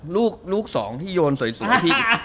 ลูกสองที่โยนสวยที